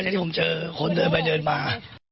ที่ผมเจอคนเดินไปเดินมา